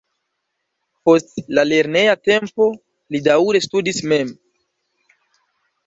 Post la lerneja tempo li daŭre studis mem.